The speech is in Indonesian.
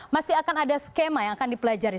masih akan ada skema yang akan dipelajari